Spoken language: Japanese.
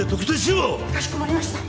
かしこまりました。